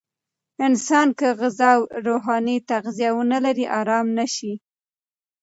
انسان که غذا او روحاني تغذیه ونلري، آرام نه شي.